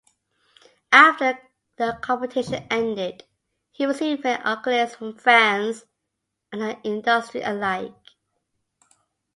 After the competition ended, he received many accolades from fans and the industry alike.